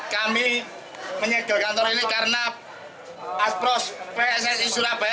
kami menyegel kantor ini karena aspros pssi surabaya